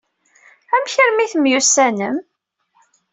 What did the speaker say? Amek armi ay temyussanem?